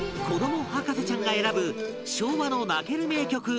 子ども博士ちゃんが選ぶ昭和の泣ける名曲